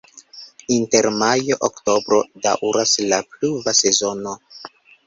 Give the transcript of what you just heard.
Inter majo-oktobro daŭras la pluva sezono.